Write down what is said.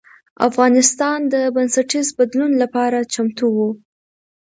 افغانستان د بنسټیز بدلون لپاره چمتو و.